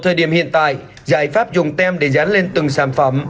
thời điểm hiện tại giải pháp dùng tem để dán lên từng sản phẩm